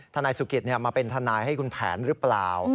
นายสุกิตมาเป็นทนายให้คุณแผนหรือเปล่า